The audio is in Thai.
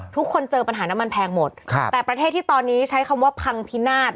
ทุกคนเจอปัญหาน้ำมันแพงหมดแต่ประเทศที่ตอนนี้ใช้คำว่าพังพินาศ